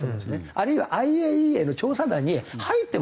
あるいはＩＡＥＡの調査団に入ってもらいたい。